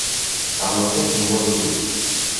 Tesɛam aṭas n wakud.